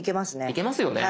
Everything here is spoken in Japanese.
いけますよね。